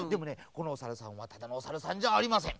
このおさるさんはただのおさるさんじゃありません。